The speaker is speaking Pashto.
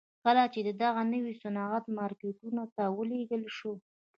کله چې دغه نوی صنعت مارکیټونو ته ولېږل شو